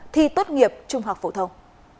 thi tốt nghiệp trung học phổ thông